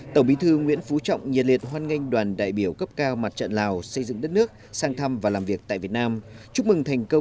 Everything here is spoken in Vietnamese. tổng bí thư nguyễn phú trọng nhiệt liệt hoan nghênh đoàn đại biểu cấp cao mặt trận lào xây dựng đất nước